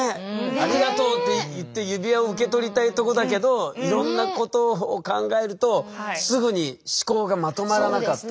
ありがとうって言って指輪を受け取りたいとこだけどいろんなことを考えるとすぐに思考がまとまらなかったっていう。